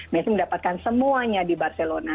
messi mendapatkan semuanya di barcelona